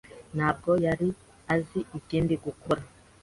ntabwo yari azi ikindi gukora.